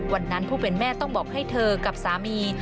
ผู้เป็นแม่ต้องบอกให้เธอกับสามี